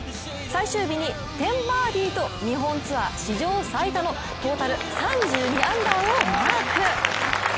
最終日に１０バーディーと日本ツアー史上最多のトータル３２アンダーをマーク。